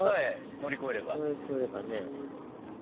乗り越えればね。